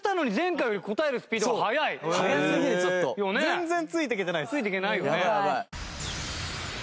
全然ついていけてないです。